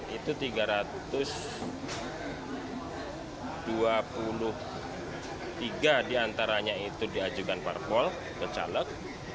tiga ratus tiga puluh empat itu tiga ratus dua puluh tiga diantaranya itu diajukan parpol ke caleg